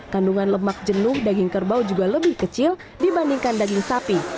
kandungan lemak jenuh daging kerbau juga lebih kecil dibandingkan daging sapi